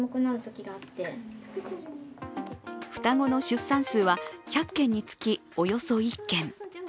双子の出産数は１００件につき、およそ１件。